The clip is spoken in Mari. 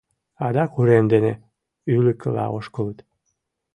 Адак урем дене ӱлыкыла ошкылыт.